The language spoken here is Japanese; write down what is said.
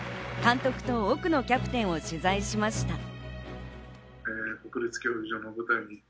監督と奥野キャプテンを取材しました。